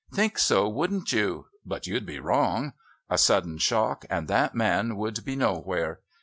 "Think so, wouldn't you? But you'd be wrong. A sudden shock, and that man would be nowhere.